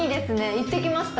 行ってきました